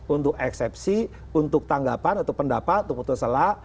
untuk eksepsi untuk tanggapan untuk pendapat untuk putus asa